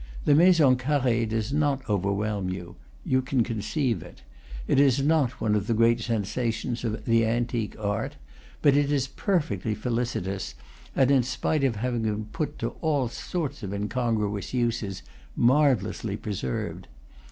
The Maison Carree does not over whelm you; you can conceive it. It is not one of the great sensations of the antique art; but it is perfectly felicitous, and, in spite of having been put to all sorts of incongruous uses, marvellously preserved.